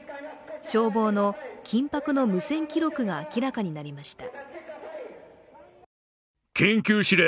消防の緊迫の無線記録が明らかになりました。